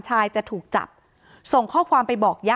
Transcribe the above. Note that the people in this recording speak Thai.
อ๋อเจ้าสีสุข่าวของสิ้นพอได้ด้วย